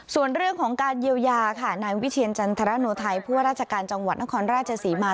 ส่วนเรื่องของการเยียวยาค่ะนายวิเทียนจันทรโนไทยผู้ว่าราชการจังหวัดนครราชศรีมา